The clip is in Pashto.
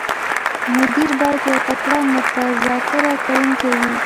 مدیر باید یو تکړه مذاکره کوونکی وي.